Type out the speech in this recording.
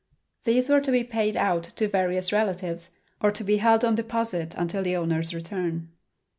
These were to be paid out to various relatives or to be held on deposit until the owners' return.